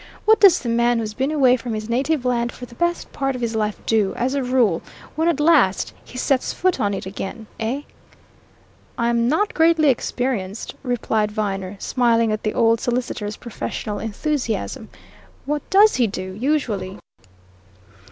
What does the man who's been away from his native land for the best part of his life do, as a rule, when at last he sets foot on it again eh?" "I'm not greatly experienced," replied Viner, smiling at the old solicitor's professional enthusiasm. "What does he do usually?"